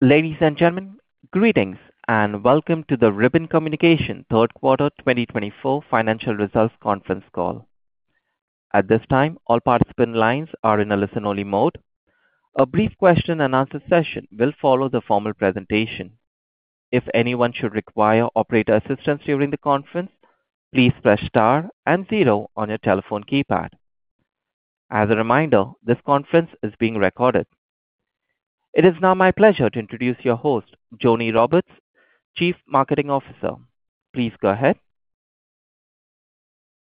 Ladies and gentlemen, greetings, and welcome to the Ribbon Communications third quarter 2024 Financial Results Conference Call. At this time, all participant lines are in a listen-only mode. A brief question-and-answer session will follow the formal presentation. If anyone should require operator assistance during the conference, please press star and zero on your telephone keypad. As a reminder, this conference is being recorded. It is now my pleasure to introduce your host, Joni Roberts, Chief Marketing Officer. Please go ahead.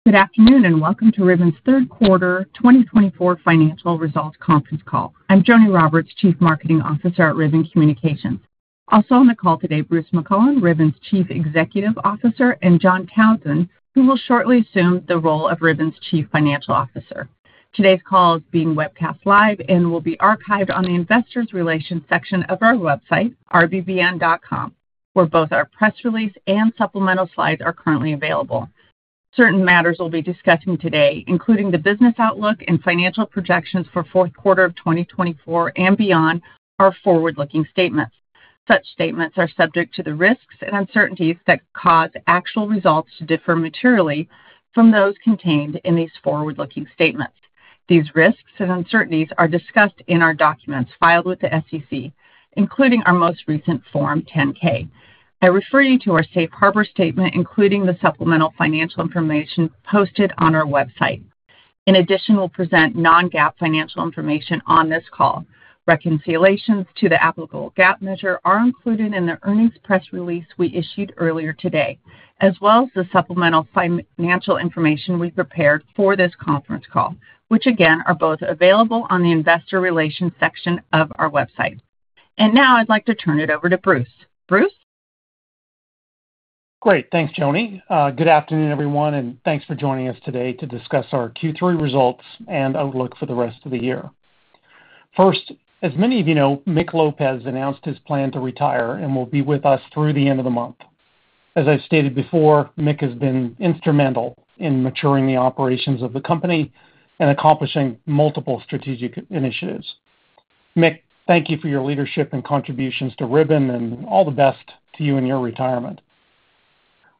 Good afternoon, and welcome to Ribbon's third quarter 2024 financial results conference call. I'm Joni Roberts, Chief Marketing Officer at Ribbon Communications. Also on the call today, Bruce McClelland, Ribbon's Chief Executive Officer, and John Townsend, who will shortly assume the role of Ribbon's Chief Financial Officer. Today's call is being webcast live and will be archived on the Investors Relations section of our website, rbbn.com, where both our press release and supplemental slides are currently available. Certain matters we'll be discussing today, including the business outlook and financial projections for fourth quarter of 2024 and beyond, are forward-looking statements. Such statements are subject to the risks and uncertainties that cause actual results to differ materially from those contained in these forward-looking statements. These risks and uncertainties are discussed in our documents filed with the SEC, including our most recent Form 10-K. I refer you to our safe harbor statement, including the supplemental financial information posted on our website. In addition, we'll present Non-GAAP financial information on this call. Reconciliations to the applicable GAAP measure are included in the earnings press release we issued earlier today, as well as the supplemental financial information we prepared for this conference call, which, again, are both available on the investor relations section of our website. And now I'd like to turn it over to Bruce. Bruce? Great. Thanks, Joni. Good afternoon, everyone, and thanks for joining us today to discuss our Q3 results and outlook for the rest of the year. First, as many of you know, Mick Lopez announced his plan to retire and will be with us through the end of the month. As I've stated before, Mick has been instrumental in maturing the operations of the company and accomplishing multiple strategic initiatives. Mick, thank you for your leadership and contributions to Ribbon, and all the best to you in your retirement.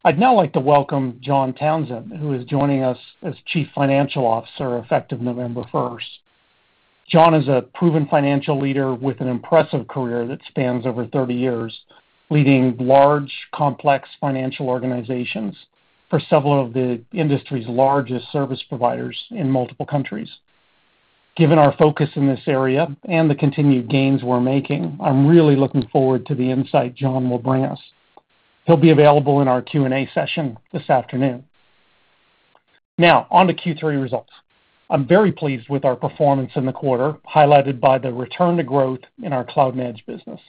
I'd now like to welcome John Townsend, who is joining us as Chief Financial Officer, effective November first. John is a proven financial leader with an impressive career that spans over thirty years, leading large, complex financial organizations for several of the industry's largest service providers in multiple countries. Given our focus in this area and the continued gains we're making, I'm really looking forward to the insight John will bring us. He'll be available in our Q&A session this afternoon. Now, on to Q3 results. I'm very pleased with our performance in the quarter, highlighted by the return to growth in our Cloud and Edge business.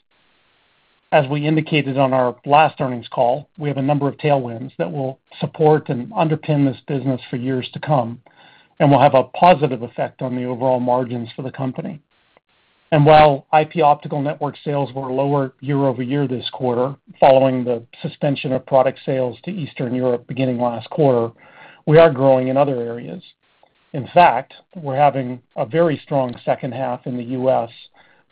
As we indicated on our last earnings call, we have a number of tailwinds that will support and underpin this business for years to come and will have a positive effect on the overall margins for the company. And while IP Optical network sales were lower year-over-year this quarter, following the suspension of product sales to Eastern Europe beginning last quarter, we are growing in other areas. In fact, we're having a very strong second half in the U.S.,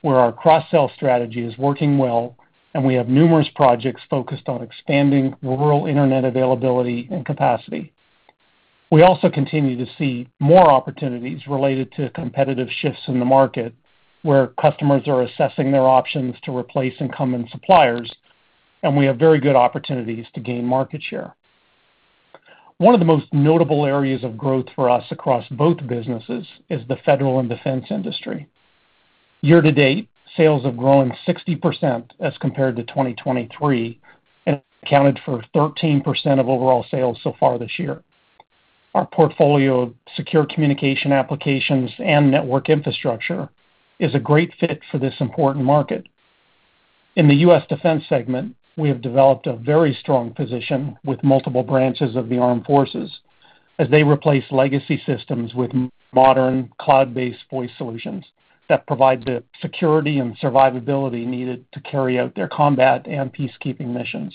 where our cross-sell strategy is working well, and we have numerous projects focused on expanding rural internet availability and capacity. We also continue to see more opportunities related to competitive shifts in the market, where customers are assessing their options to replace incumbent suppliers, and we have very good opportunities to gain market share. One of the most notable areas of growth for us across both businesses is the federal and defense industry. Year to date, sales have grown 60% as compared to 2023 and accounted for 13% of overall sales so far this year. Our portfolio of secure communication applications and network infrastructure is a great fit for this important market. In the U.S. defense segment, we have developed a very strong position with multiple branches of the armed forces as they replace legacy systems with modern, cloud-based voice solutions that provide the security and survivability needed to carry out their combat and peacekeeping missions.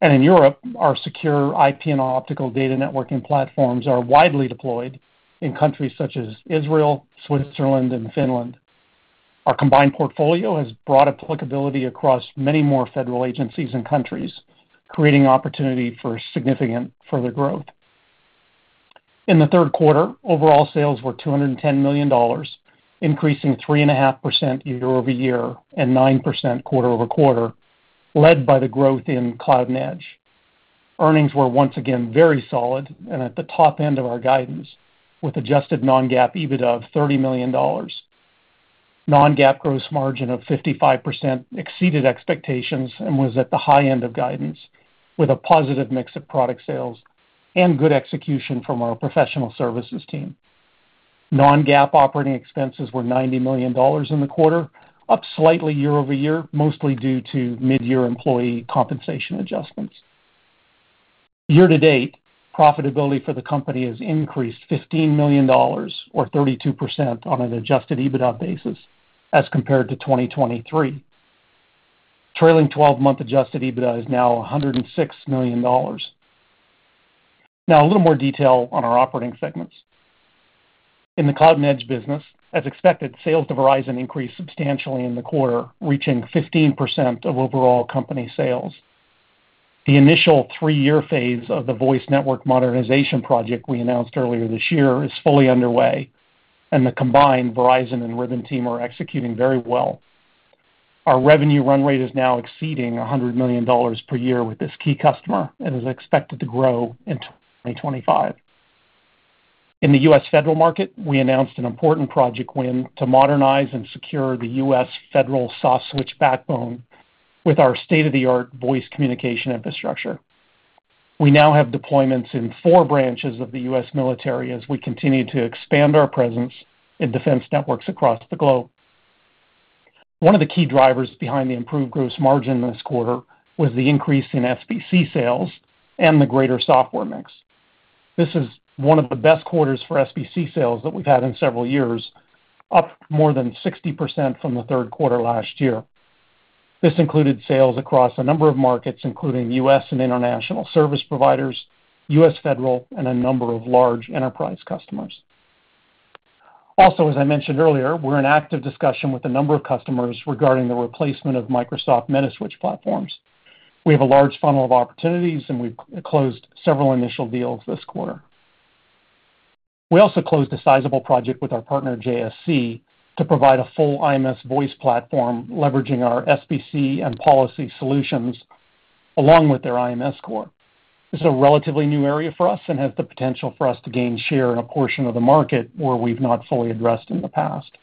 In Europe, our secure IP and optical data networking platforms are widely deployed in countries such as Israel, Switzerland, and Finland. Our combined portfolio has broad applicability across many more federal agencies and countries, creating opportunity for significant further growth. In the third quarter, overall sales were $210 million, increasing 3.5% year-over-year and 9% quarter-over-quarter, led by the growth in Cloud and Edge. Earnings were once again very solid and at the top end of our guidance, with adjusted non-GAAP EBITDA of $30 million. Non-GAAP gross margin of 55% exceeded expectations and was at the high end of guidance, with a positive mix of product sales and good execution from our professional services team. Non-GAAP operating expenses were $90 million in the quarter, up slightly year-over-year, mostly due to mid-year employee compensation adjustments. Year to date, profitability for the company has increased $15 million or 32% on an adjusted EBITDA basis as compared to 2023. Trailing twelve-month adjusted EBITDA is now $106 million.... Now, a little more detail on our operating segments. In the Cloud and Edge business, as expected, sales to Verizon increased substantially in the quarter, reaching 15% of overall company sales. The initial three-year phase of the voice network modernization project we announced earlier this year is fully underway, and the combined Verizon and Ribbon team are executing very well. Our revenue run rate is now exceeding $100 million per year with this key customer and is expected to grow in 2025. In the U.S. Federal market, we announced an important project win to modernize and secure the U.S. Federal softswitch backbone with our state-of-the-art voice communication infrastructure. We now have deployments in four branches of the U.S. military as we continue to expand our presence in defense networks across the globe. One of the key drivers behind the improved gross margin this quarter was the increase in SBC sales and the greater software mix. This is one of the best quarters for SBC sales that we've had in several years, up more than 60% from the third quarter last year. This included sales across a number of markets, including U.S. and international service providers, U.S. Federal, and a number of large enterprise customers. Also, as I mentioned earlier, we're in active discussion with a number of customers regarding the replacement of Microsoft Metaswitch platforms. We have a large funnel of opportunities, and we've closed several initial deals this quarter. We also closed a sizable project with our partner JSC to provide a full IMS voice platform, leveraging our SBC and policy solutions along with their IMS core. This is a relatively new area for us and has the potential for us to gain share in a portion of the market where we've not fully addressed in the past.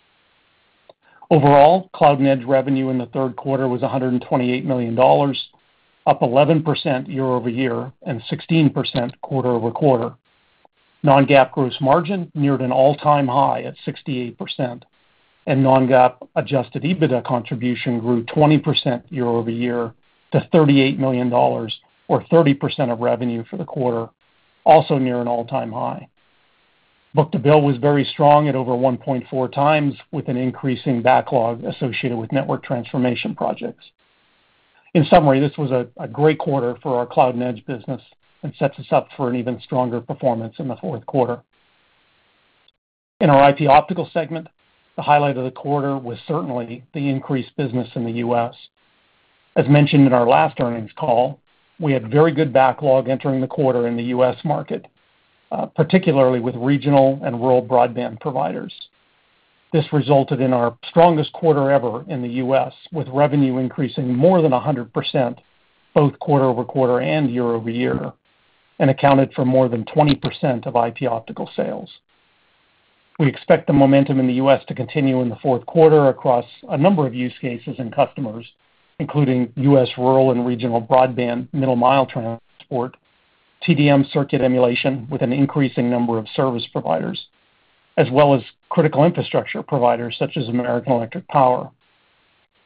Overall, Cloud and Edge revenue in the third quarter was $128 million, up 11% year-over-year and 16% quarter over quarter. Non-GAAP gross margin neared an all-time high at 68%, and non-GAAP adjusted EBITDA contribution grew 20% year-over-year to $38 million, or 30% of revenue for the quarter, also near an all-time high. Book-to-bill was very strong at over 1.4 times, with an increasing backlog associated with network transformation projects. In summary, this was a great quarter for our Cloud and Edge business and sets us up for an even stronger performance in the fourth quarter. In our IP Optical segment, the highlight of the quarter was certainly the increased business in the U.S. As mentioned in our last earnings call, we had very good backlog entering the quarter in the U.S. market, particularly with regional and rural broadband providers. This resulted in our strongest quarter ever in the U.S., with revenue increasing more than 100%, both quarter over quarter and year-over-year, and accounted for more than 20% of IP Optical sales. We expect the momentum in the U.S. to continue in the fourth quarter across a number of use cases and customers, including U.S. rural and regional broadband, middle mile transport, TDM circuit emulation with an increasing number of service providers, as well as critical infrastructure providers such as American Electric Power.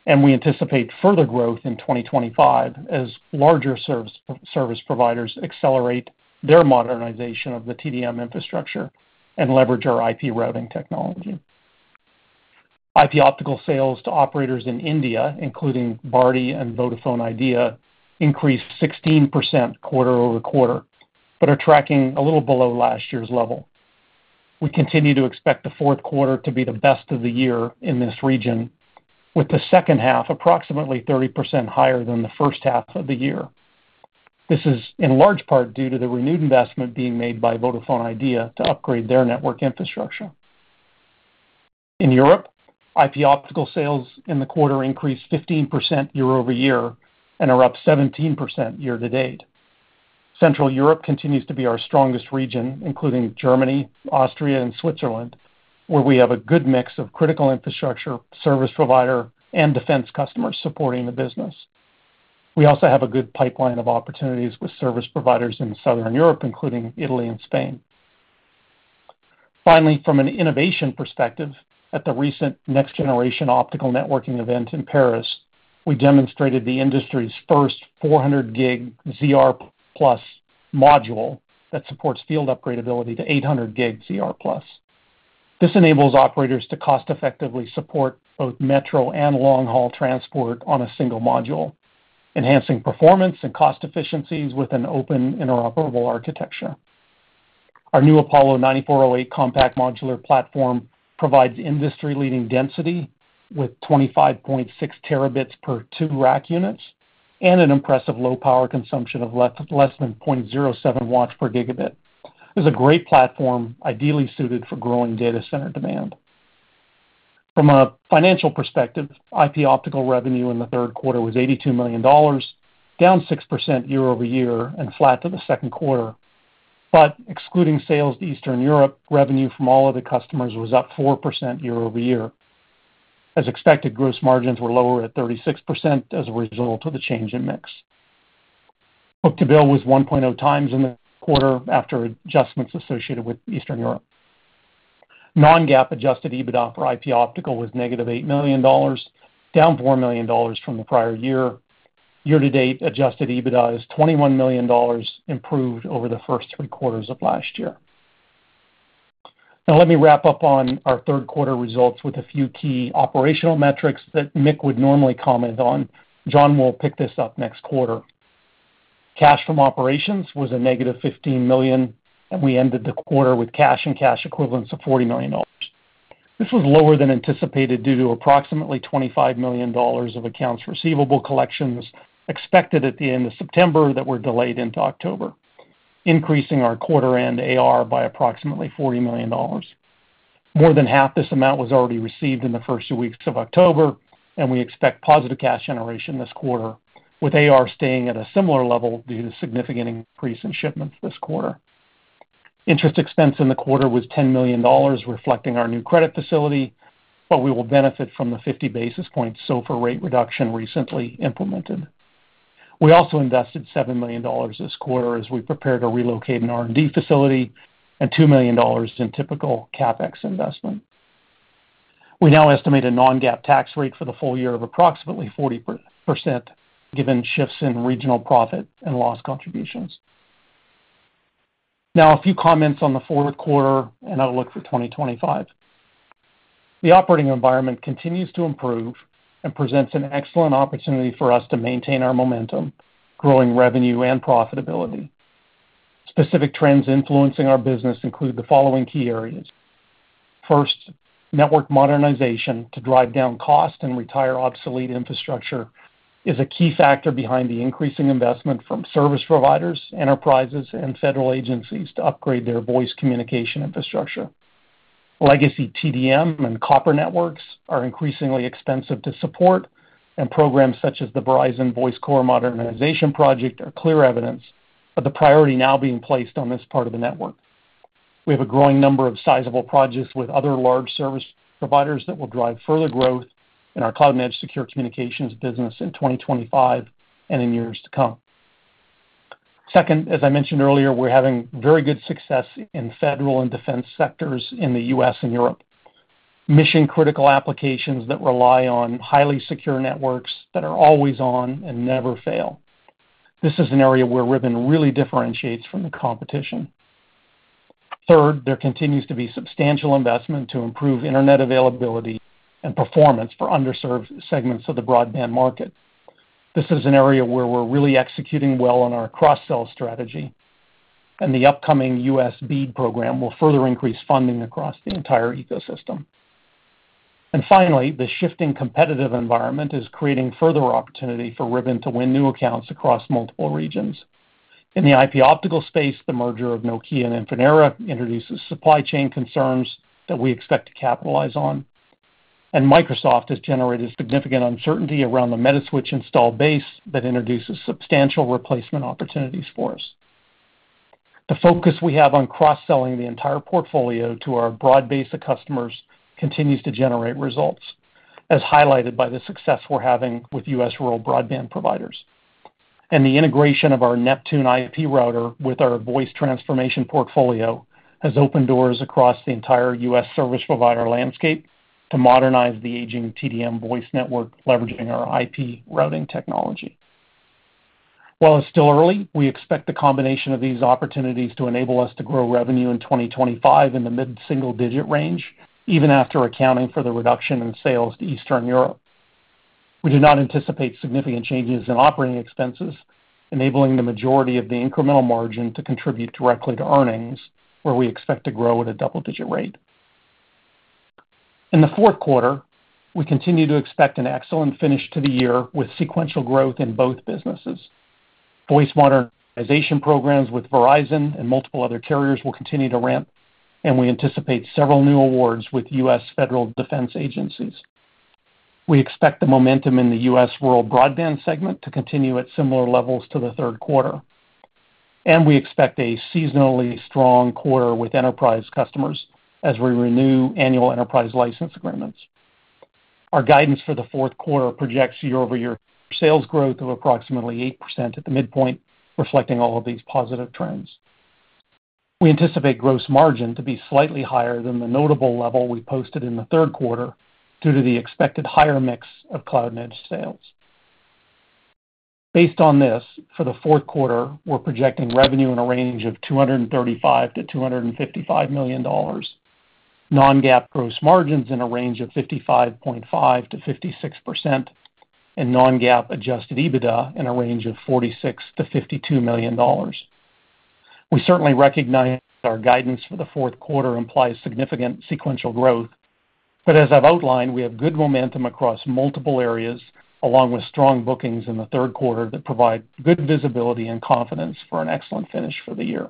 We anticipate further growth in 2025 as larger service providers accelerate their modernization of the TDM infrastructure and leverage our IP routing technology. IP Optical sales to operators in India, including Bharti and Vodafone Idea, increased 16% quarter over quarter, but are tracking a little below last year's level. We continue to expect the fourth quarter to be the best of the year in this region, with the second half approximately 30% higher than the first half of the year. This is in large part due to the renewed investment being made by Vodafone Idea to upgrade their network infrastructure. In Europe, IP Optical sales in the quarter increased 15% year-over-year and are up 17% year to date. Central Europe continues to be our strongest region, including Germany, Austria, and Switzerland, where we have a good mix of critical infrastructure, service provider, and defense customers supporting the business. We also have a good pipeline of opportunities with service providers in Southern Europe, including Italy and Spain. Finally, from an innovation perspective, at the recent Next Generation Optical Networking event in Paris, we demonstrated the industry's first 400G ZR+ module that supports field upgradeability to 800G ZR+. This enables operators to cost effectively support both metro and long-haul transport on a single module, enhancing performance and cost efficiencies with an open, interoperable architecture. Our new Apollo 9408 compact modular platform provides industry-leading density with 25.6 terabits per two rack units and an impressive low power consumption of less than 0.07 watts per gigabit. It's a great platform, ideally suited for growing data center demand. From a financial perspective, IP Optical revenue in the third quarter was $82 million, down 6% year-over-year and flat to the second quarter. But excluding sales to Eastern Europe, revenue from all other customers was up 4% year-over-year. As expected, gross margins were lower at 36% as a result of the change in mix. Book-to-bill was 1.0 times in the quarter after adjustments associated with Eastern Europe. Non-GAAP adjusted EBITDA for IP Optical was -$8 million, down $4 million from the prior year. Year to date, adjusted EBITDA is $21 million improved over the first three quarters of last year. Now let me wrap up on our third quarter results with a few key operational metrics that Mick would normally comment on. John will pick this up next quarter. Cash from operations was -$15 million, and we ended the quarter with cash and cash equivalents of $40 million. This was lower than anticipated due to approximately $25 million of accounts receivable collections expected at the end of September that were delayed into October, increasing our quarter-end AR by approximately $40 million. More than half this amount was already received in the first two weeks of October, and we expect positive cash generation this quarter, with AR staying at a similar level due to significant increase in shipments this quarter. Interest expense in the quarter was $10 million, reflecting our new credit facility, but we will benefit from the 50 basis points SOFR rate reduction recently implemented. We also invested $7 million this quarter as we prepare to relocate an R&D facility and $2 million in typical CapEx investment. We now estimate a non-GAAP tax rate for the full year of approximately 40%, given shifts in regional profit and loss contributions. Now, a few comments on the fourth quarter and outlook for2025. The operating environment continues to improve and presents an excellent opportunity for us to maintain our momentum, growing revenue and profitability. Specific trends influencing our business include the following key areas. First, network modernization to drive down cost and retire obsolete infrastructure is a key factor behind the increasing investment from service providers, enterprises, and federal agencies to upgrade their voice communication infrastructure. Legacy TDM and copper networks are increasingly expensive to support, and programs such as the Verizon Voice Core Modernization Project are clear evidence of the priority now being placed on this part of the network. We have a growing number of sizable projects with other large service providers that will drive further growth in our Cloud and Edge secure communications business in2025 and in years to come. Second, as I mentioned earlier, we're having very good success in federal and defense sectors in the U.S. and Europe. Mission-critical applications that rely on highly secure networks that are always on and never fail. This is an area where Ribbon really differentiates from the competition. Third, there continues to be substantial investment to improve internet availability and performance for underserved segments of the broadband market. This is an area where we're really executing well on our cross-sell strategy, and the upcoming U.S. BEAD program will further increase funding across the entire ecosystem. And finally, the shifting competitive environment is creating further opportunity for Ribbon to win new accounts across multiple regions. In the IP optical space, the merger of Nokia and Infinera introduces supply chain concerns that we expect to capitalize on, and Microsoft has generated significant uncertainty around the Metaswitch install base that introduces substantial replacement opportunities for us. The focus we have on cross-selling the entire portfolio to our broad base of customers continues to generate results, as highlighted by the success we're having with U.S. rural broadband providers, and the integration of our Neptune IP router with our voice transformation portfolio has opened doors across the entire U.S. service provider landscape to modernize the aging TDM voice network, leveraging our IP routing technology. While it's still early, we expect the combination of these opportunities to enable us to grow revenue in 2025 in the mid-single digit range, even after accounting for the reduction in sales to Eastern Europe. We do not anticipate significant changes in operating expenses, enabling the majority of the incremental margin to contribute directly to earnings, where we expect to grow at a double-digit rate. In the fourth quarter, we continue to expect an excellent finish to the year with sequential growth in both businesses. Voice modernization programs with Verizon and multiple other carriers will continue to ramp, and we anticipate several new awards with U.S. federal defense agencies. We expect the momentum in the U.S. rural broadband segment to continue at similar levels to the third quarter, and we expect a seasonally strong quarter with enterprise customers as we renew annual enterprise license agreements. Our guidance for the fourth quarter projects year-over-year sales growth of approximately 8% at the midpoint, reflecting all of these positive trends. We anticipate gross margin to be slightly higher than the notable level we posted in the third quarter due to the expected higher mix of Cloud and Edge sales. Based on this, for the fourth quarter, we're projecting revenue in a range of $235 million-$255 million, non-GAAP gross margins in a range of 55.5%-56%, and non-GAAP adjusted EBITDA in a range of $46 million-$52 million. We certainly recognize that our guidance for the fourth quarter implies significant sequential growth, but as I've outlined, we have good momentum across multiple areas, along with strong bookings in the third quarter, that provide good visibility and confidence for an excellent finish for the year.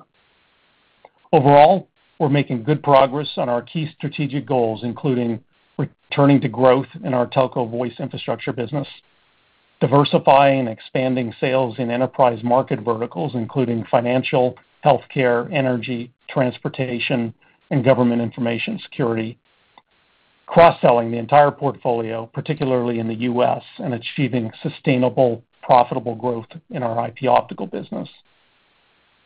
Overall, we're making good progress on our key strategic goals, including returning to growth in our telco voice infrastructure business, diversifying and expanding sales in enterprise market verticals, including financial, healthcare, energy, transportation, and government information security, cross-selling the entire portfolio, particularly in the U.S., and achieving sustainable, profitable growth in our IP Optical business,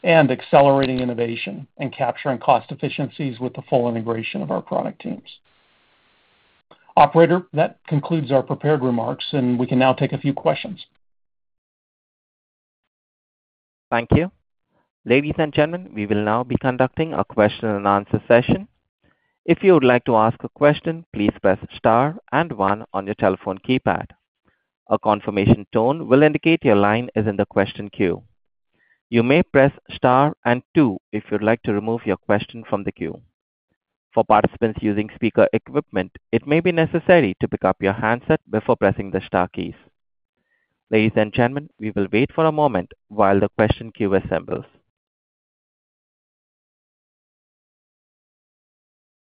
and accelerating innovation and capturing cost efficiencies with the full integration of our product teams. Operator, that concludes our prepared remarks, and we can now take a few questions.... Thank you. Ladies and gentlemen, we will now be conducting a question-and-answer session. If you would like to ask a question, please press star and one on your telephone keypad. A confirmation tone will indicate your line is in the question queue. You may press star and two if you'd like to remove your question from the queue. For participants using speaker equipment, it may be necessary to pick up your handset before pressing the star keys. Ladies and gentlemen, we will wait for a moment while the question queue assembles.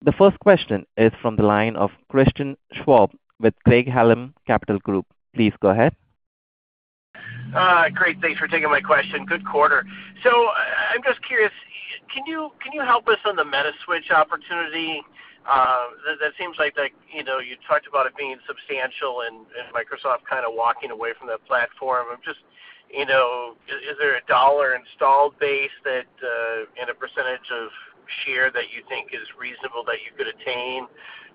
The first question is from the line of Christian Schwab with Craig-Hallum Capital Group. Please go ahead. Great. Thanks for taking my question. Good quarter. So I'm just curious, can you help us on the Metaswitch opportunity? That seems like, like, you know, you talked about it being substantial and Microsoft kind of walking away from the platform. I'm just, you know, is there a dollar installed base that and a percentage of share that you think is reasonable that you could attain,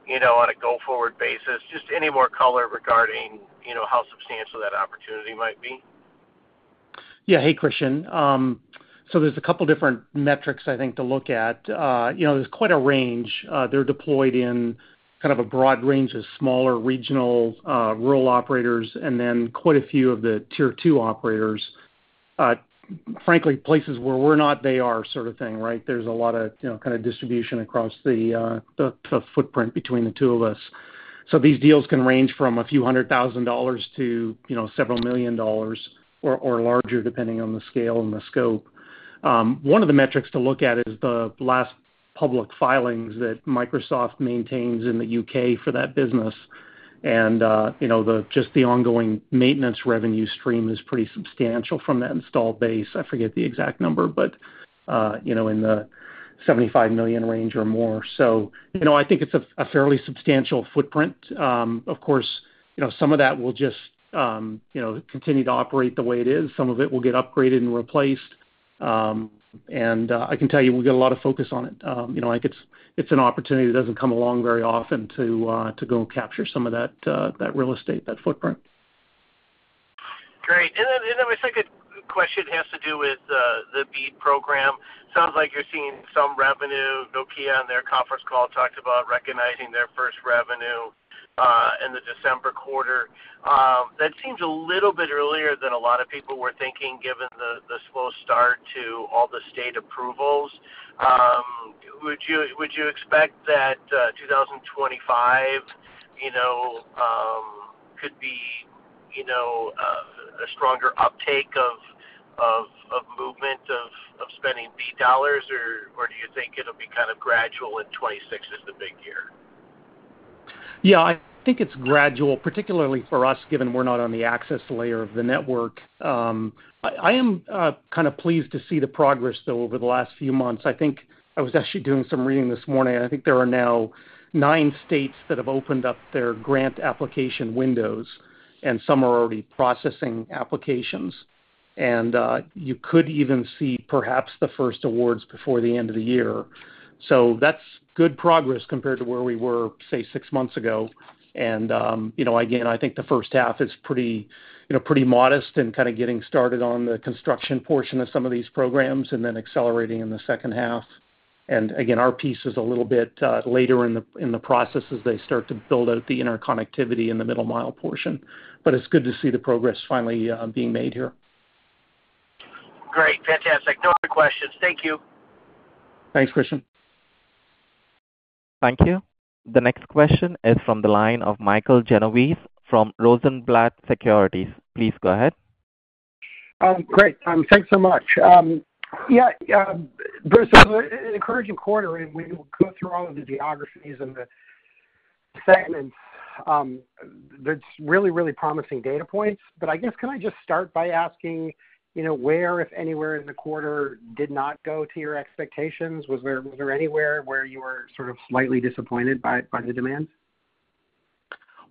you know, on a go-forward basis? Just any more color regarding, you know, how substantial that opportunity might be. Yeah. Hey, Christian. So there's a couple different metrics I think, to look at. You know, there's quite a range. They're deployed in kind of a broad range of smaller regional, rural operators, and then quite a few of the tier two operators. Frankly, places where we're not, they are, sort of thing, right? There's a lot of, you know, kind of distribution across the, the footprint between the two of us. So these deals can range from a few hundred thousand dollars to, you know, several million dollars or larger, depending on the scale and the scope. One of the metrics to look at is the last public filings that Microsoft maintains in the U.K. for that business. And, you know, the just the ongoing maintenance revenue stream is pretty substantial from that installed base. I forget the exact number, but you know, in the seventy-five million range or more. So you know, I think it's a fairly substantial footprint. Of course, you know, some of that will just you know, continue to operate the way it is. Some of it will get upgraded and replaced, and I can tell you, we get a lot of focus on it. You know, like it's an opportunity that doesn't come along very often to go and capture some of that, that real estate, that footprint. Great. And then my second question has to do with the BEAD program. Sounds like you're seeing some revenue. Nokia, on their conference call, talked about recognizing their first revenue in the December quarter. That seems a little bit earlier than a lot of people were thinking, given the slow start to all the state approvals. Would you expect that 2025, you know, could be a stronger uptake of movement of spending BEAD dollars, or do you think it'll be kind of gradual, and 2026 is the big year? Yeah, I think it's gradual, particularly for us, given we're not on the access layer of the network. I am kind of pleased to see the progress, though, over the last few months. I think I was actually doing some reading this morning, and I think there are now nine states that have opened up their grant application windows, and some are already processing applications. And you could even see perhaps the first awards before the end of the year. So that's good progress compared to where we were, say, six months ago. And you know, again, I think the first half is pretty, you know, pretty modest and kind of getting started on the construction portion of some of these programs and then accelerating in the second half. And again, our piece is a little bit later in the process as they start to build out the interconnectivity in the middle mile portion. But it's good to see the progress finally being made here. Great. Fantastic. No other questions. Thank you. Thanks, Christian. Thank you. The next question is from the line of Michael Genovese from Rosenblatt Securities. Please go ahead. Great. Thanks so much. Yeah, Bruce, an encouraging quarter, and we go through all of the geographies and the segments. There's really, really promising data points. But I guess, can I just start by asking, you know, where, if anywhere, in the quarter did not go to your expectations? Was there anywhere where you were sort of slightly disappointed by the demand?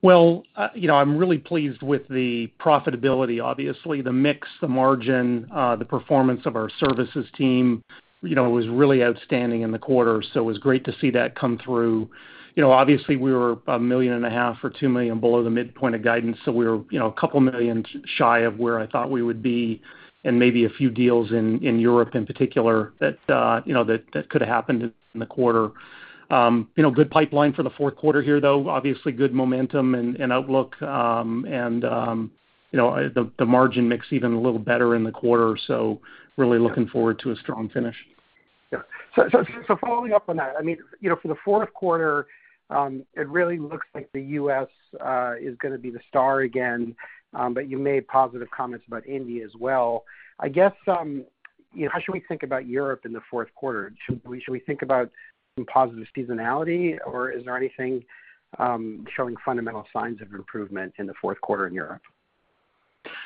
You know, I'm really pleased with the profitability, obviously, the mix, the margin, the performance of our services team, you know, was really outstanding in the quarter, so it was great to see that come through. You know, obviously, we were $1.5 million or $2 million below the midpoint of guidance, so we were, you know, a couple million shy of where I thought we would be and maybe a few deals in Europe in particular, that you know that could have happened in the quarter. You know, good pipeline for the fourth quarter here, though. Obviously, good momentum and outlook, and you know, the margin mix even a little better in the quarter, so really looking forward to a strong finish. Yeah. So following up on that, I mean, you know, for the fourth quarter, it really looks like the US is gonna be the star again. But you made positive comments about India as well. I guess, you know, how should we think about Europe in the fourth quarter? Should we think about some positive seasonality, or is there anything showing fundamental signs of improvement in the fourth quarter in Europe?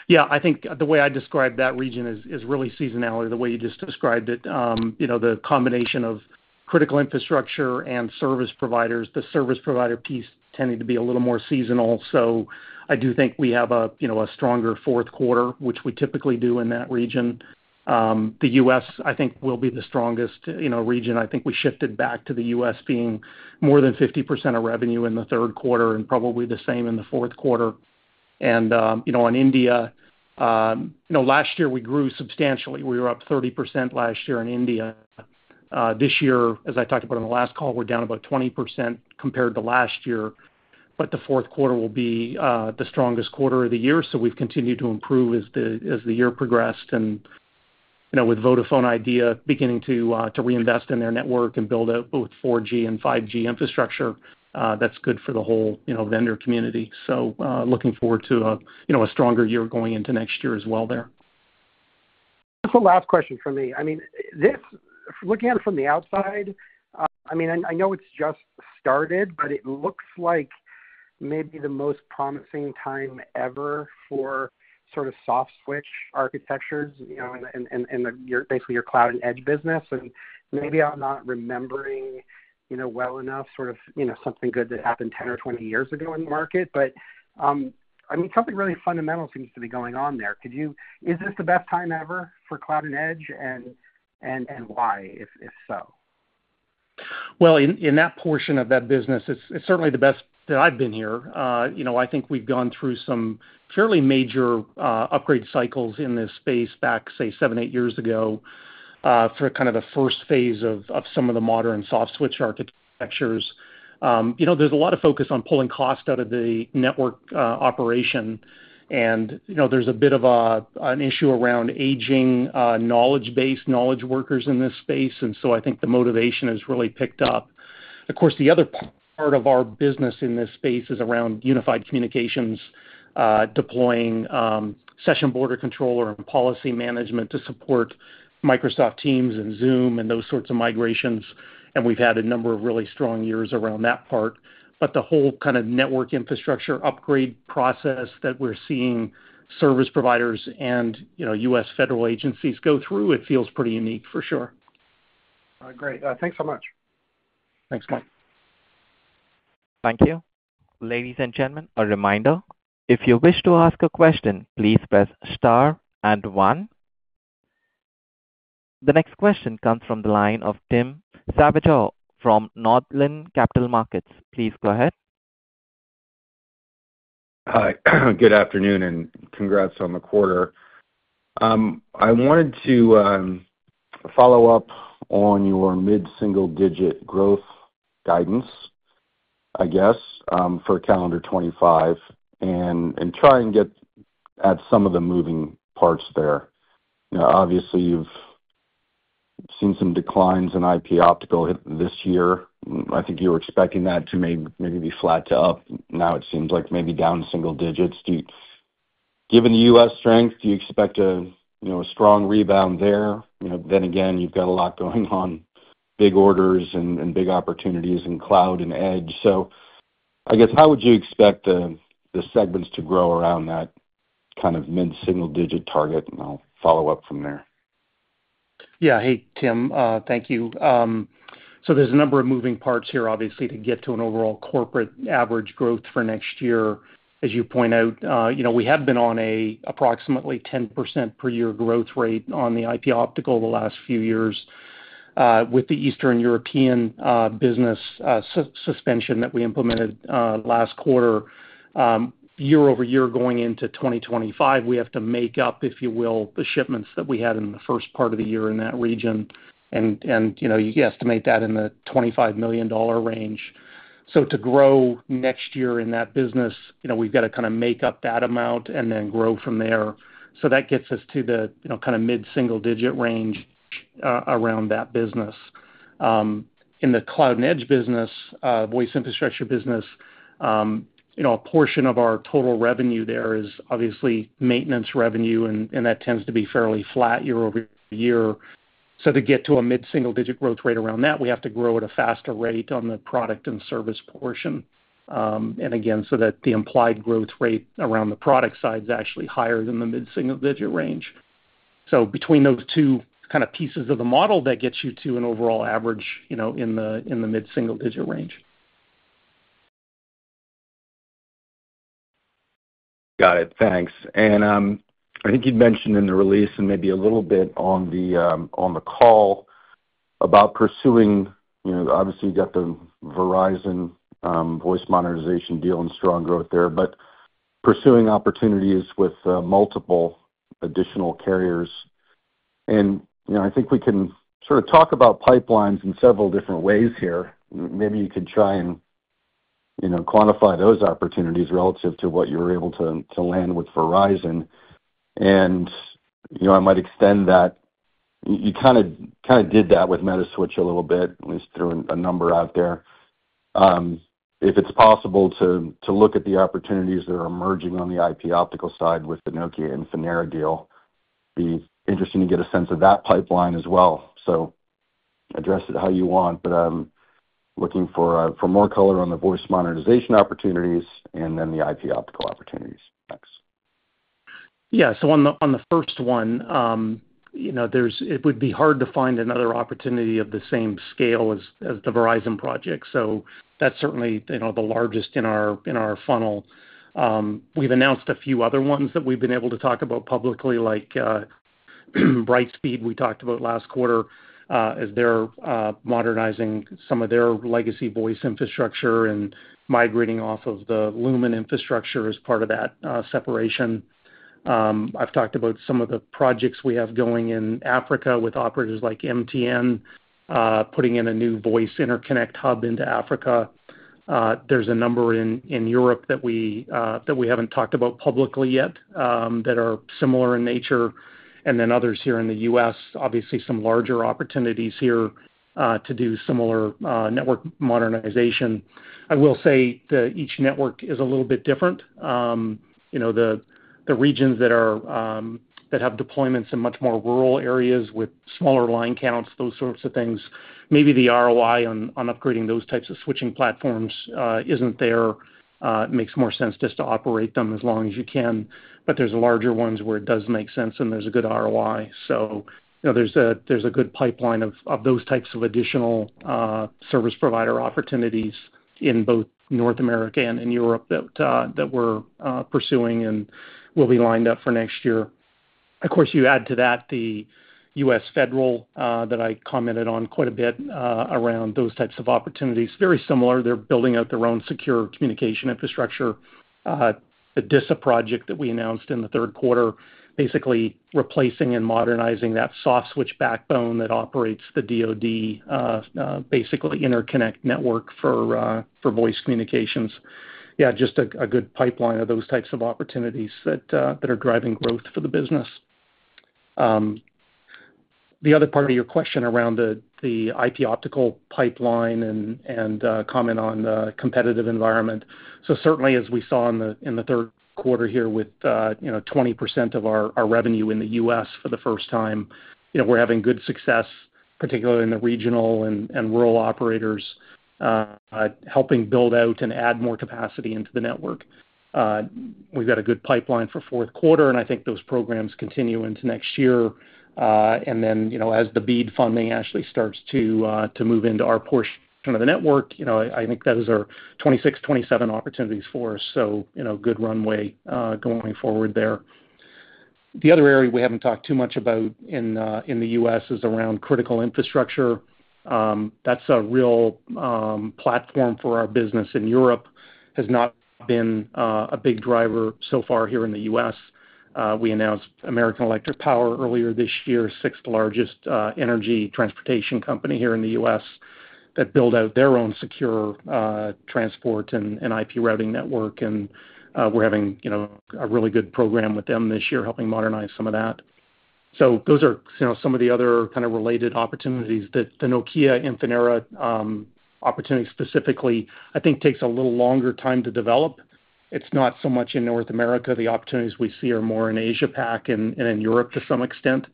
Yeah, I think the way I describe that region is really seasonality, the way you just described it. You know, the combination of critical infrastructure and service providers, the service provider piece tending to be a little more seasonal. So I do think we have a, you know, a stronger fourth quarter, which we typically do in that region. The U.S., I think, will be the strongest, you know, region. I think we shifted back to the U.S. being more than 50% of revenue in the third quarter and probably the same in the fourth quarter. And, you know, on India, you know, last year we grew substantially. We were up 30% last year in India. This year, as I talked about on the last call, we're down about 20% compared to last year, but the fourth quarter will be the strongest quarter of the year. So we've continued to improve as the year progressed, and, you know, with Vodafone Idea beginning to reinvest in their network and build out both 4G and 5G infrastructure, that's good for the whole, you know, vendor community. So, looking forward to a, you know, a stronger year going into next year as well there. Just a last question from me. I mean, this looking at it from the outside, I mean, I know it's just started, but it looks like maybe the most promising time ever for sort of softswitch architectures, you know, and the, basically your Cloud and Edge business. And maybe I'm not remembering, you know, well enough, sort of, you know, something good that happened ten or twenty years ago in the market. But, I mean, something really fundamental seems to be going on there. Could you is this the best time ever for Cloud and Edge? And why, if so? In that portion of that business, it's certainly the best that I've been here. You know, I think we've gone through some fairly major upgrade cycles in this space back, say, seven, eight years ago, for kind of the first phase of some of the modern softswitch architectures. You know, there's a lot of focus on pulling cost out of the network operation. And, you know, there's a bit of an issue around aging knowledge base, knowledge workers in this space, and so I think the motivation has really picked up. Of course, the other part of our business in this space is around unified communications, deploying session border controller and policy management to support Microsoft Teams and Zoom and those sorts of migrations. And we've had a number of really strong years around that part. But the whole kind of network infrastructure upgrade process that we're seeing service providers and, you know, U.S. federal agencies go through, it feels pretty unique for sure. Great. Thanks so much. Thanks, Mike. Thank you. Ladies and gentlemen, a reminder, if you wish to ask a question, please press star and one. The next question comes from the line of Tim Savageaux from Northland Capital Markets. Please go ahead. Hi, good afternoon, and congrats on the quarter. I wanted to follow up on your mid-single digit growth guidance, I guess, for calendar 2025, and try and get at some of the moving parts there. Now, obviously, you've seen some declines in IP optical this year. I think you were expecting that to maybe be flat to up. Now, it seems like maybe down single digits. Do you, given the U.S. strength, expect a strong rebound there? You know, then again, you've got a lot going on, big orders and big opportunities in cloud and edge. So I guess, how would you expect the segments to grow around that kind of mid-single digit target? And I'll follow up from there. Yeah. Hey, Tim, thank you. So there's a number of moving parts here, obviously, to get to an overall corporate average growth for next year, as you point out. You know, we have been on a approximately 10% per year growth rate on the IP Optical the last few years, with the Eastern European business suspension that we implemented last quarter. year-over-year, going into2025, we have to make up, if you will, the shipments that we had in the first part of the year in that region. And, you know, you can estimate that in the $25 million range. So to grow next year in that business, you know, we've got to kind of make up that amount and then grow from there. So that gets us to the, you know, kind of mid-single digit range around that business. In the cloud and edge business, voice infrastructure business, you know, a portion of our total revenue there is obviously maintenance revenue, and that tends to be fairly flat year-over-year. So to get to a mid-single digit growth rate around that, we have to grow at a faster rate on the product and service portion. And again, so that the implied growth rate around the product side is actually higher than the mid-single digit range. So between those two kind of pieces of the model, that gets you to an overall average, you know, in the mid-single digit range. Got it. Thanks. And, I think you'd mentioned in the release and maybe a little bit on the, on the call about pursuing, you know, obviously, you've got the Verizon, voice modernization deal and strong growth there, but pursuing opportunities with, multiple additional carriers. And, you know, I think we can sort of talk about pipelines in several different ways here. Maybe you could try and, you know, quantify those opportunities relative to what you were able to, to land with Verizon. And, you know, I might extend that. You kind of did that with Metaswitch a little bit, at least threw a number out there. If it's possible to, look at the opportunities that are emerging on the IP optical side with the Nokia and Infinera deal, be interesting to get a sense of that pipeline as well. Address it how you want, but I'm looking for more color on the voice monetization opportunities and then the IP optical opportunities. Thanks. Yeah. So on the first one, you know, there's it would be hard to find another opportunity of the same scale as the Verizon project. So that's certainly, you know, the largest in our funnel. We've announced a few other ones that we've been able to talk about publicly, like Brightspeed, we talked about last quarter, as they're modernizing some of their legacy voice infrastructure and migrating off of the Lumen infrastructure as part of that separation. I've talked about some of the projects we have going in Africa with operators like MTN, putting in a new voice interconnect hub into Africa. There's a number in Europe that we haven't talked about publicly yet, that are similar in nature, and then others here in the US. Obviously, some larger opportunities here to do similar network modernization. I will say that each network is a little bit different. You know, the regions that have deployments in much more rural areas with smaller line counts, those sorts of things, maybe the ROI on upgrading those types of switching platforms isn't there. It makes more sense just to operate them as long as you can. But there's larger ones where it does make sense, and there's a good ROI. So you know, there's a good pipeline of those types of additional service provider opportunities in both North America and in Europe that we're pursuing and will be lined up for next year. Of course, you add to that the U.S. federal that I commented on quite a bit around those types of opportunities. Very similar, they're building out their own secure communication infrastructure. The DISA project that we announced in the third quarter, basically replacing and modernizing that Softswitch backbone that operates the DoD basically interconnect network for voice communications. Yeah, just a good pipeline of those types of opportunities that are driving growth for the business. The other part of your question around the IP Optical pipeline and comment on the competitive environment. So certainly, as we saw in the third quarter here with, you know, 20% of our revenue in the U.S. for the first time, you know, we're having good success, particularly in the regional and rural operators, helping build out and add more capacity into the network. We've got a good pipeline for fourth quarter, and I think those programs continue into next year. And then, you know, as the BEAD funding actually starts to move into our portion of the network, you know, I think that is our 2026, 2027 opportunities for us. So, you know, good runway going forward there. The other area we haven't talked too much about in the U.S. is around critical infrastructure. That's a real platform for our business in Europe has not been a big driver so far here in the U.S. We announced American Electric Power earlier this year, sixth largest energy transportation company here in the U.S., that build out their own secure transport and IP routing network, and we're having, you know, a really good program with them this year, helping modernize some of that. So those are, you know, some of the other kind of related opportunities. The Nokia Infinera opportunity specifically, I think takes a little longer time to develop. It's not so much in North America. The opportunities we see are more in Asia Pac and in Europe to some extent.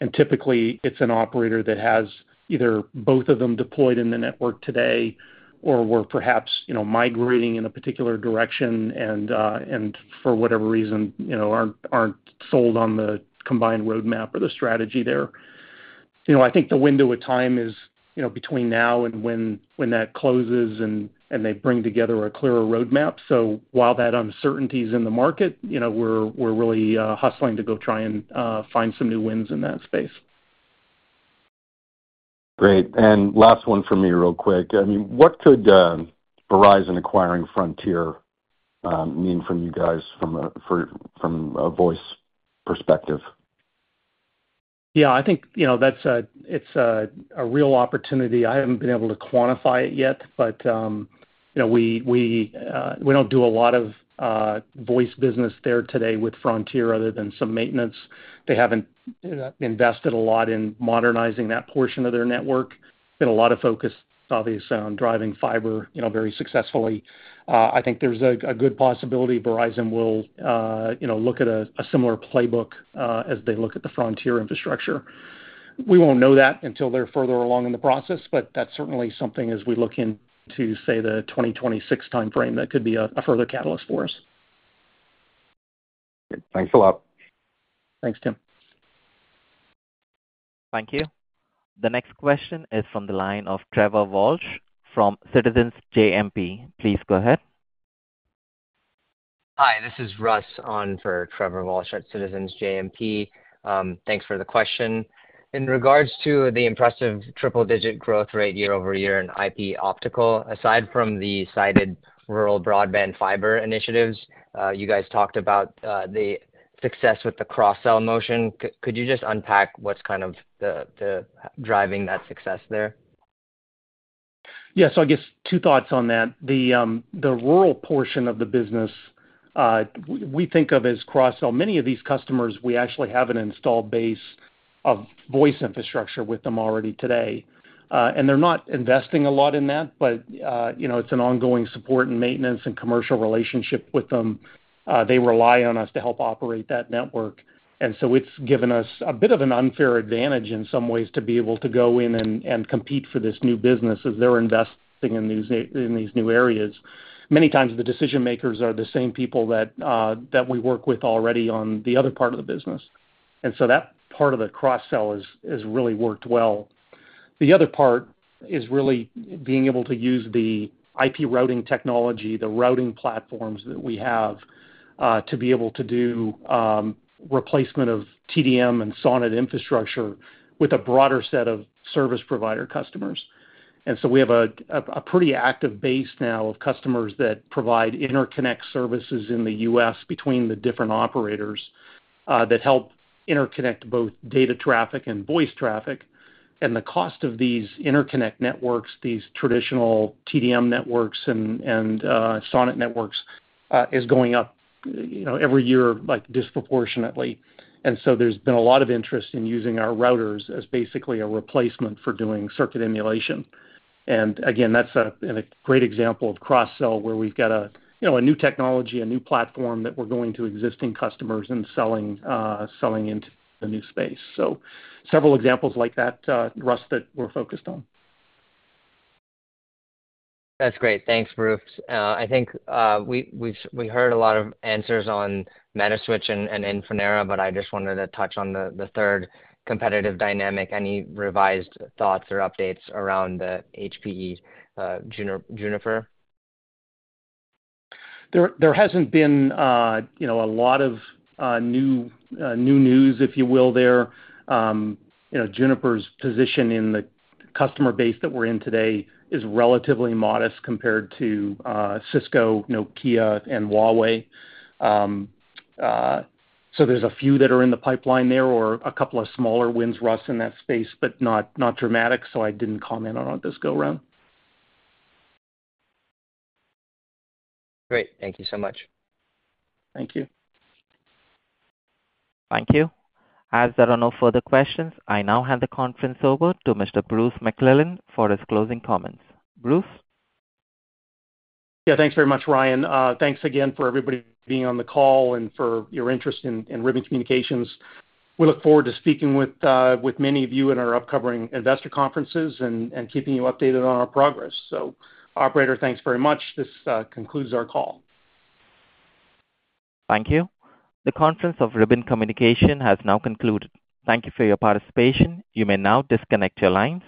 And typically, it's an operator that has either both of them deployed in the network today or were perhaps, you know, migrating in a particular direction and for whatever reason, you know, aren't sold on the combined roadmap or the strategy there. You know, I think the window of time is, you know, between now and when that closes and they bring together a clearer roadmap. So while that uncertainty is in the market, you know, we're really hustling to go try and find some new wins in that space. Great. And last one for me real quick. I mean, what could Verizon acquiring Frontier mean from you guys from a voice perspective? Yeah, I think, you know, that's a real opportunity. I haven't been able to quantify it yet, but, you know, we don't do a lot of voice business there today with Frontier other than some maintenance. They haven't invested a lot in modernizing that portion of their network, been a lot of focus, obviously, on driving fiber, you know, very successfully. I think there's a good possibility Verizon will, you know, look at a similar playbook as they look at the Frontier infrastructure. We won't know that until they're further along in the process, but that's certainly something as we look into, say, the 2026 timeframe, that could be a further catalyst for us. Thanks a lot. Thanks, Tim. Thank you. The next question is from the line of Trevor Walsh from Citizens JMP. Please go ahead. Hi, this is Russ on for Trevor Walsh at Citizens JMP. Thanks for the question. In regards to the impressive triple-digit growth rate year-over-year in IP optical, aside from the cited rural broadband fiber initiatives, you guys talked about the success with the cross-sell motion. Could you just unpack what's kind of the driving that success there? Yeah, so I guess two thoughts on that. The rural portion of the business, we think of as cross-sell. Many of these customers, we actually have an installed base of voice infrastructure with them already today, and they're not investing a lot in that, but you know, it's an ongoing support and maintenance and commercial relationship with them. They rely on us to help operate that network, and so it's given us a bit of an unfair advantage in some ways, to be able to go in and compete for this new business as they're investing in these new areas. Many times, the decision makers are the same people that we work with already on the other part of the business, and so that part of the cross-sell has really worked well. The other part is really being able to use the IP routing technology, the routing platforms that we have, to be able to do replacement of TDM and SONET infrastructure with a broader set of service provider customers. And so we have a pretty active base now of customers that provide interconnect services in the U.S. between the different operators that help interconnect both data traffic and voice traffic. And the cost of these interconnect networks, these traditional TDM networks and SONET networks, is going up, you know, every year, like, disproportionately. And so there's been a lot of interest in using our routers as basically a replacement for doing circuit emulation. And again, that's a great example of cross-sell, where we've got, you know, a new technology, a new platform that we're going to existing customers and selling into the new space. So several examples like that, Russ, that we're focused on. That's great. Thanks, Bruce. I think we've heard a lot of answers on Metaswitch and Infinera, but I just wanted to touch on the third competitive dynamic. Any revised thoughts or updates around the HPE, Juniper? There hasn't been, you know, a lot of new news, if you will, there. You know, Juniper's position in the customer base that we're in today is relatively modest compared to Cisco, Nokia, and Huawei. So there's a few that are in the pipeline there or a couple of smaller wins, Russ, in that space, but not dramatic, so I didn't comment on it this go around. Great. Thank you so much. Thank you. Thank you. As there are no further questions, I now hand the conference over to Mr. Bruce McClelland for his closing comments. Bruce? Yeah, thanks very much, Ryan. Thanks again for everybody being on the call and for your interest in Ribbon Communications. We look forward to speaking with many of you in our upcoming investor conferences and keeping you updated on our progress. So, Operator, thanks very much. This concludes our call. Thank you. The conference of Ribbon Communications has now concluded. Thank you for your participation. You may now disconnect your lines.